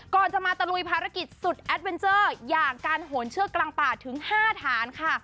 ก่อนจะมาตะลุยภารกิจสุดแอดเวนเจอร์อย่างการโหนเชือกกลางป่าถึง๕ฐานค่ะ